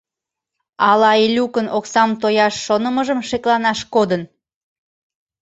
Ала Элюкын оксам тояш шонымыжым шекланаш кодын?